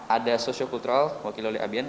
ada sosio kultural diwakili oleh abn